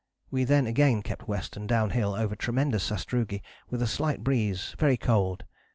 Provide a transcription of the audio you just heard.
We then again kept west and downhill over tremendous sastrugi, with a slight breeze, very cold.